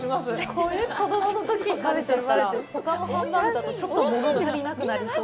これ、子供のときに食べちゃったら、ほかのハンバーグだと、ちょっと物足りなくなりそう。